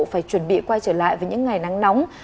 phải chuẩn bị quay trở lại với những ngày nắng nóng